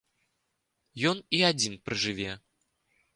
Ён і адзін пражыве.